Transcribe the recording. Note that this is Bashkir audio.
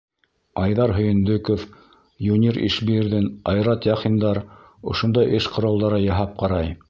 Айҙар Һөйөндөков, Юнир Ишбирҙин, Айрат Яхиндар ошондай эш ҡоралдары яһап ҡарай.